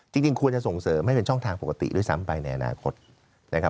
จริงควรจะส่งเสริมให้เป็นช่องทางปกติด้วยซ้ำไปในอนาคตนะครับ